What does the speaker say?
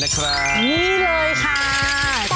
ได้เลยนี่เลยค่ะ